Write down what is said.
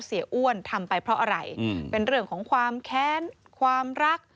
อ้วนทำไปเพราะอะไรเป็นเรื่องของความแค้นความรัก